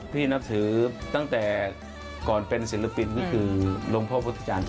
พี่นับถือตั้งแต่ก่อนเป็นศิลปิตก็คือลงพ่อพระพุทธจารย์โต